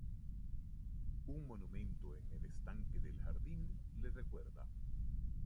Un monumento en el estanque del jardín le recuerda.